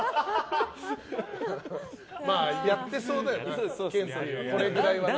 やってそうだよね、ケンティーこれぐらいはね。